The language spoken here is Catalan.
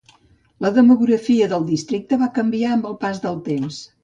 La demografia del districte va canviar amb el pas el temps.